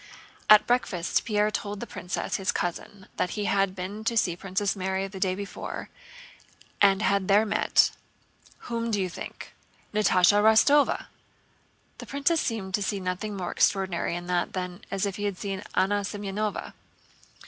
At breakfast Pierre told the princess, his cousin, that he had been to see Princess Mary the day before and had there met—"Whom do you think? Natásha Rostóva!" The princess seemed to see nothing more extraordinary in that than if he had seen Anna Semënovna.